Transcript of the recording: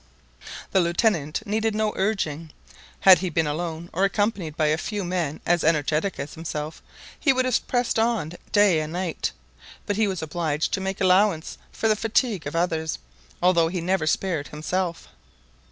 The Lieutenant needed no urging. Had he been alone, or accompanied by a few men as energetic as himself, he would have pressed on day and night; but he was obliged to make allowance for the fatigue of others, although he never spared himself.